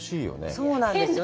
そうなんですよ。